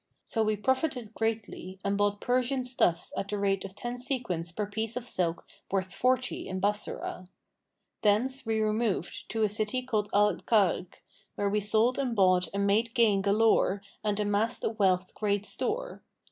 So we profited greatly and bought Persian stuffs at the rate of ten sequins per piece of silk worth forty in Bassorah. Thence we removed to a city called Al Karkh[FN#496] where we sold and bought and made gain galore and amassed of wealth great store.'